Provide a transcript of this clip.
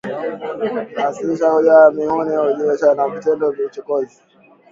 Ninawasihi kujizuia na ni muhimu kujiepusha na vitendo vya uchokozi